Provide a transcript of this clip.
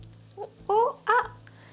おっあっ！